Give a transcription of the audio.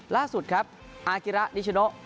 ล่าสุดครับอากิระนิชโน